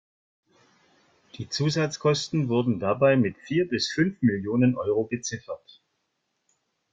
Die Zusatzkosten wurden dabei mit vier bis fünf Millionen Euro beziffert.